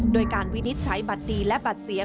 โดยการวินิจฉัยบัตรดีและบัตรเสีย